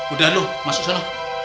udah lu masuk sana